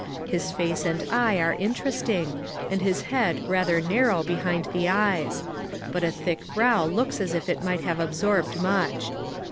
His face and eye are interesting, and his head rather narrow behind the eyes ; but a thick brow looks as if it might have absorbed much.